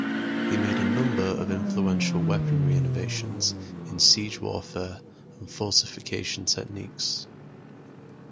He made a number of influential weaponry innovations in siege warfare and fortification techniques.